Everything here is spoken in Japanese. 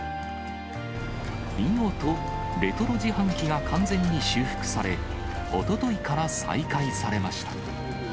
見事、レトロ自販機が完全に修復され、おとといから再開されました。